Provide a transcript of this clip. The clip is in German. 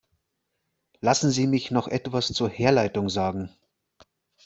Lassen Sie mich noch etwas zur Herleitung sagen.